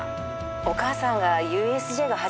お母さんがＵＳＪが初めてで。